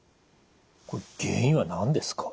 これ原因は何ですか？